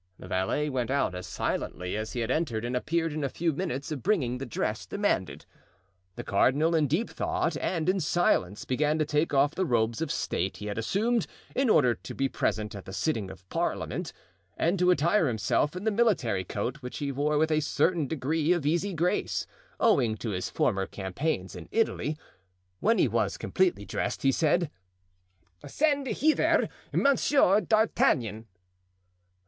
The valet went out as silently as he had entered and appeared in a few minutes bringing the dress demanded. The cardinal, in deep thought and in silence, began to take off the robes of state he had assumed in order to be present at the sitting of parliament, and to attire himself in the military coat, which he wore with a certain degree of easy grace, owing to his former campaigns in Italy. When he was completely dressed he said: "Send hither Monsieur d'Artagnan."